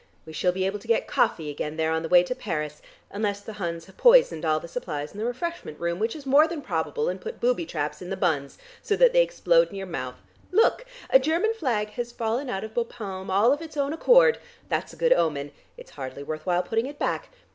We shall be able to get coffee again there on the way to Paris, unless the Huns have poisoned all the supplies in the refreshment room, which is more than probable, and put booby traps in the buns, so that they explode in your mouth. Look! A German flag has fallen out of Bapaume all of its own accord; that's a good omen, it's hardly worth while putting it back.